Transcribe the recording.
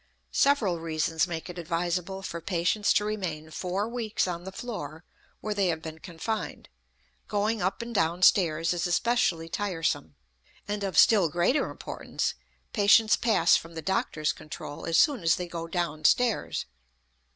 Several reasons make it advisable for patients to remain four weeks on the floor where they have been confined; going up and down stairs is especially tiresome, and, of still greater importance, patients pass from the doctor's control as soon as they go down stairs.